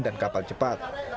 dan kapal cepat